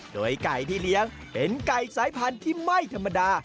โดยไก่ที่เลี้ยงเป็นไก่สายพันธุ์ที่ไม่ธรรมดา